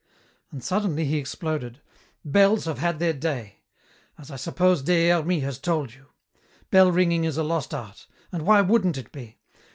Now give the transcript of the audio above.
And suddenly he exploded, "Bells have had their day! As I suppose Des Hermies has told you. Bell ringing is a lost art. And why wouldn't it be?